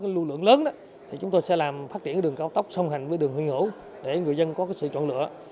lưu lượng lớn thì chúng tôi sẽ làm phát triển đường cao tốc song hành với đường huyền hữu để người dân có sự chọn lựa